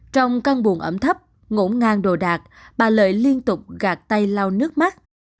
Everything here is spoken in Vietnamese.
trong căn buồn ẩm thấp ngỗ ngang đồ đạc bà lê liên tục gạt tay lau nước mắt